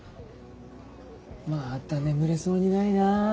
また眠れそうにないな。